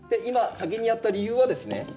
今先にやった理由はですね